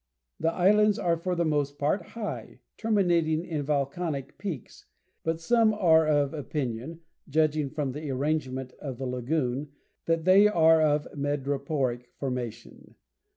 The islands are for the most part high, terminating in volcanic peaks; but some are of opinion, judging from the arrangement of the lagoon, that they are of madreporic formation.